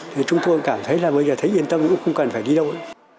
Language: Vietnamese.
thì chúng tôi cảm thấy là bây giờ thấy yên tâm cũng không cần phải đi đâu